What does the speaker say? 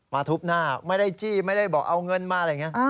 ทุบหน้าไม่ได้จี้ไม่ได้บอกเอาเงินมาอะไรอย่างนี้